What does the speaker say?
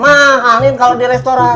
mahalin kalo di restoran